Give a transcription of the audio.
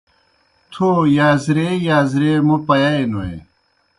تھو یازریے یازریے موْ پیَائےنوئے۔